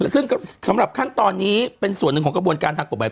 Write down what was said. ซึ่งสำหรับขั้นตอนนี้เป็นส่วนหนึ่งของกระบวนการทางกฎหมาย